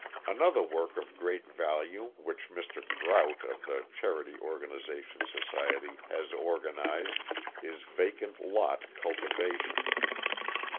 Another work of great value which Mr. Grout of the Charity Organisation Society has organised is vacant lot cultivation.